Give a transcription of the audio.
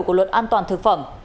của luật an toàn thực phẩm